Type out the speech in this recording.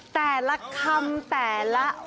แต่ละคำแต่ละ